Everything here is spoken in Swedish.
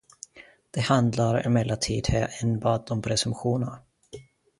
Det handlar emellertid här enbart om presumtioner.